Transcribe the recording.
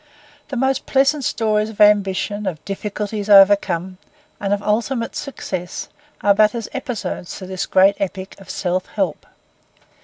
The most pleasant stories of ambition, of difficulties overcome, and of ultimate success, are but as episodes to this great epic of self help.